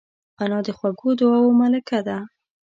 انا د خوږو دعاوو ملکه ده